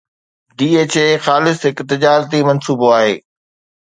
DHA خالص هڪ تجارتي منصوبو آهي.